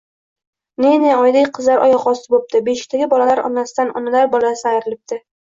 Ne-ne oydek qizlar oyoqosti bo‘pti, beshikdagi bolalar onasidan, onalar bolasidan ayrilibdi.